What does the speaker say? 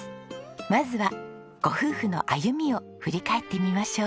まずはご夫婦の歩みを振り返ってみましょう。